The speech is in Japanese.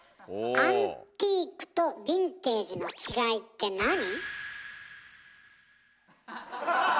「アンティーク」と「ヴィンテージ」の違いってなに？